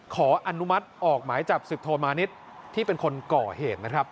ขออนุมัติออกหมายจับสิบโทมานิดที่เป็นคนก่อเหตุนะครับ